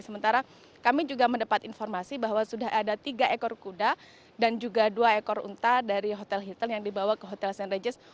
sementara kami juga mendapat informasi bahwa sudah ada tiga ekor kuda dan juga dua ekor unta dari hotel hotel yang dibawa ke hotel st regis